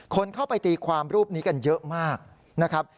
คนเข้าไปตีความรูปนี้กันเยอะมากนะครับ